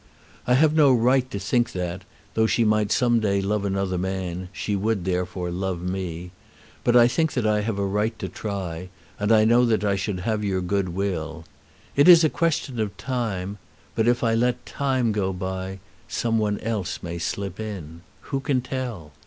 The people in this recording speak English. I have no right to think that, though she might some day love another man, she would, therefore, love me; but I think that I have a right to try, and I know that I should have your good will. It is a question of time, but if I let time go by, some one else may slip in. Who can tell?